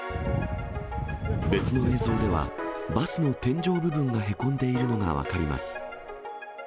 別の映像では、バスの天井部分がへこんでいるのが分かります。